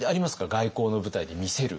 外交の舞台で見せる。